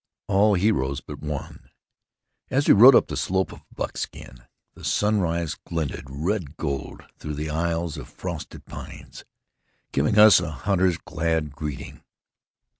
ALL HEROES BUT ONE As we rode up the slope of Buckskin, the sunrise glinted red gold through the aisles of frosted pines, giving us a hunter's glad greeting.